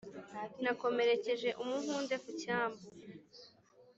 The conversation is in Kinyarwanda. Nakomerekeje umuhunde ku cyambu